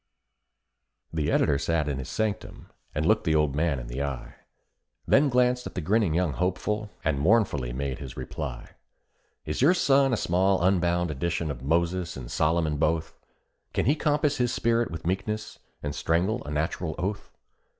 The Editor sat in his sanctum and looked the old man in the eye, Then glanced at the grinning young hopeful, and mournfully made his reply: "Is your son a small unbound edition of Moses and Solomon both? Can he compass his spirit with meekness, and strangle a natural oath?